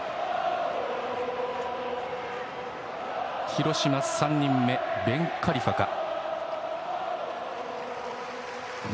広島３人目、ベンカリファか。